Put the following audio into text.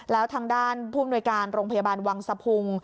แล้วทางด้านผู้อำนวยการโรงพยาบาลวังสะพุง